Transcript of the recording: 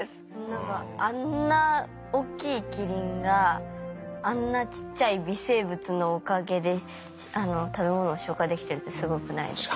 何かあんな大きいキリンがあんなちっちゃい微生物のおかげで食べ物を消化できてるってすごくないですか。